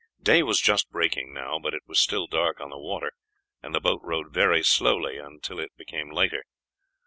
Day was just breaking now, but it was still dark on the water, and the boat rowed very slowly until it became lighter.